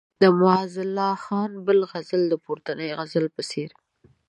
د معزالله خان بل غزل د پورتني غزل په څېر.